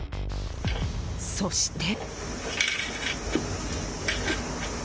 そして。